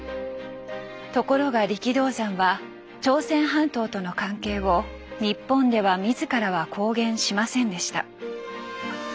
ところが力道山は朝鮮半島との関係を日本では自らは公言しませんでした。